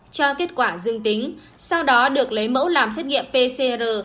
cho kết quả dương tính sau đó được lấy mẫu làm xét nghiệm pcr